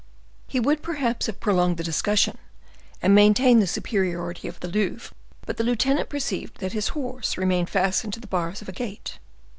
He would perhaps have prolonged the discussion, and maintained the superiority of the Louvre, but the lieutenant perceived that his horse remained fastened to the bars of a gate.